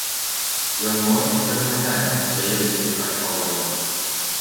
Ён многіх пераганяе, а здаецца ідзе так павольна.